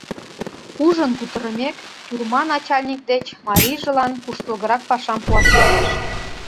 Ужын кутырымек, тюрьма начальник деч марийжылан куштылгырак пашам пуаш йодеш.